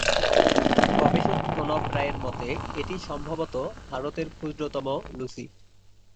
গবেষক প্রণব রায়ের মতে এটি সম্ভবত ভারতের ক্ষুদ্রতম লুচি।